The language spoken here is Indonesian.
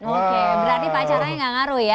oke berarti pacaranya gak ngaruh ya